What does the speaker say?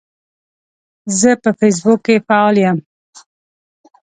زه په فیسبوک کې فعال یم.